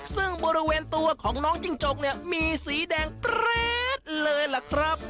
ซึ่งบริเวณตัวของน้องจิ้งจกเนี่ยมีสีแดงแปรดเลยล่ะครับ